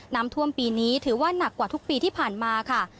น้ำท่วมปีนี้ถือว่าหนักกว่าทุกปีที่ผ่านมาค่ะ